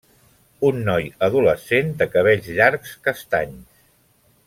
Un noi adolescent de cabells llargs castanys.